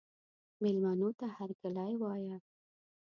مېلمنو ته هرکلی وایه.